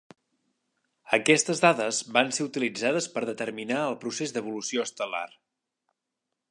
Aquestes dades van ser utilitzades per a determinar el procés d'evolució estel·lar.